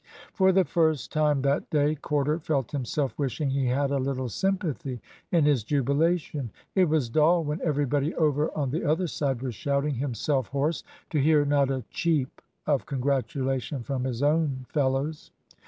For the first time that day Corder felt himself wishing he had a little sympathy in his jubilation. It was dull, when everybody over on the other side was shouting himself hoarse, to hear not a "cheep" of congratulation from his own fellows.